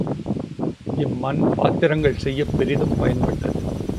இம்மண் பாத்திரங்கள் செய்யப் பெரிதும் பயன்பட்டது.